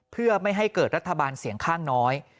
เพื่อไม่ให้เกิดรัฐบาลเสียงข้างน้อย